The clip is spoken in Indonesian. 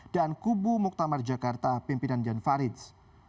dan kubu muktamar jakarta pimpinan jan faridz